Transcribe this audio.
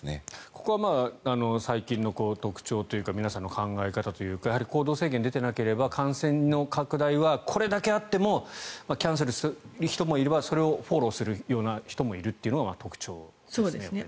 ここは最近の特徴というか皆さんの考え方というかやはり行動制限が出ていなければ感染の拡大はこれだけあってもキャンセルする人もいればそれをフォローするような人もいるというのが特徴ですね。